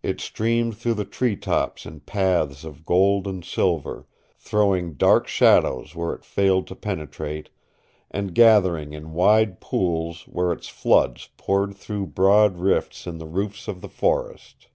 It streamed through the treetops in paths of gold and silver, throwing dark shadows where it failed to penetrate, and gathering in wide pools where its floods poured through broad rifts in the roofs of the forest.